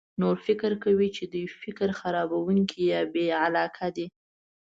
نور فکر کوي چې دوی فکر خرابونکي یا بې علاقه دي.